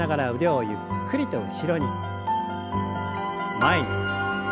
前に。